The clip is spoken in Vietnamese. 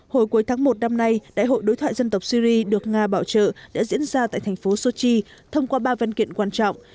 hồi cuối tháng một năm nay đại hội đối thoại dân tộc syri được nga bảo trợ đã diễn ra tại thành phố sochi thông qua ba văn kiện quan trọng